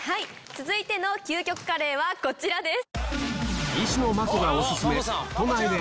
続いての究極カレーはこちらです。